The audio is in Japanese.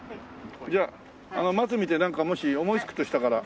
じゃあ松見てなんかもし思いつくとしたら。